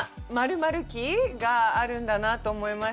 ○期があるんだなと思いまして。